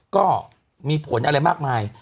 ก็มีผลอะไรมากมาย